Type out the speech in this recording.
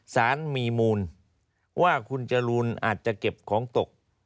สารมีมูลว่าคุณจรูนอาจจะเก็บของตก